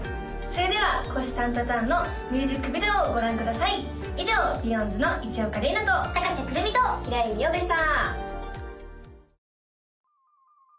それでは「虎視タンタ・ターン」のミュージックビデオをご覧ください以上ＢＥＹＯＯＯＯＯＮＤＳの一岡伶奈と高瀬くるみと平井美葉でした